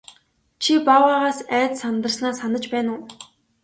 Чи баавгайгаас айж сандарснаа санаж байна уу?